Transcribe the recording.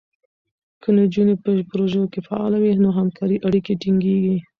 که نجونې په پروژو کې فعاله وي، نو همکارۍ اړیکې ټینګېږي.